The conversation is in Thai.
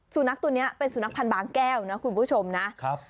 สุนัขตัวนี้เป็นสุนัขพันธ์บางแก้วนะคุณผู้ชมนะครับ